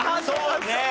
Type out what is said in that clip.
そうね。